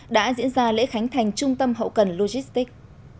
đã diễn ra lễ khánh thành trung tâm hậu cần logistics